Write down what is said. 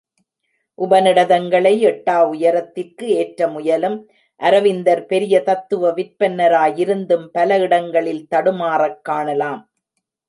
உபநிடதங்களை எட்டா உயரத்திற்கு ஏற்ற முயலும் அரவிந்தர் பெரிய தத்துவ விற்பன்னராயிருந்தும் பல இடங்களில் தடுமாறக் காணலாம்.